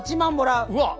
うーわっ！